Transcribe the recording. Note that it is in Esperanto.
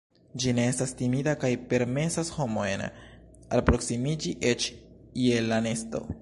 Ĝi ne estas timida kaj permesas homojn alproksimiĝi eĉ je la nesto.